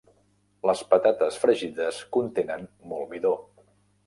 Les patates fregides contenent molt midó.